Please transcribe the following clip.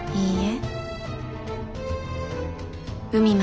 いいえ。